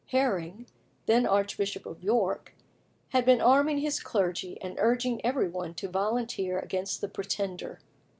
Herring, then Archbishop of York, had been arming his clergy, and urging every one to volunteer against the Pretender.